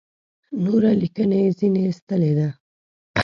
نوره لیکنه یې ځنې ایستلې ده.